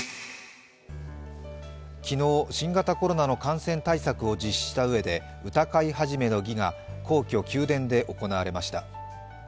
昨日、新型コロナの感染対策を実施した上で歌会始の儀が皇居・宮殿で行われました。